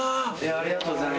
ありがとうございます。